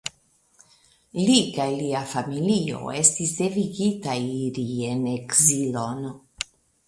Li kaj lia familio estis devigitaj iri en ekzilon.